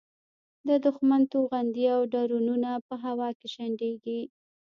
د دوښمن توغندي او ډرونونه په هوا کې شنډېږي.